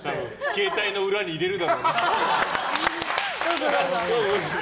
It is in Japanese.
携帯の裏に入れるだろうな。